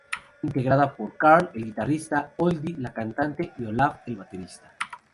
Integrada por Carl, el guitarrista, Odile, la cantante principal, y Olaf, el baterista.